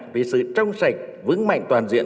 vì sự trong sạch vững mạnh toàn diện